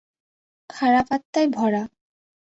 খারাপ আত্মায় ভরা।